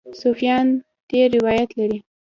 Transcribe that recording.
صوفیان تېر روایت لري.